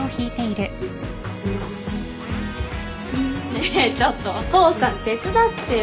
ねえちょっとお父さん手伝ってよ。